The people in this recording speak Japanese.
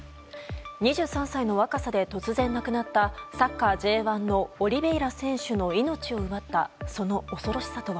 ２３歳の若さで突然亡くなったサッカーＪ１のオリベイラ選手の命を奪ったその恐ろしさとは。